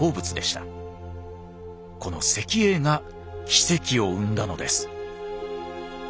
この石英が奇跡を生んだのです。